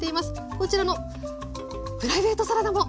こちらのプライベートサラダも是非必見です！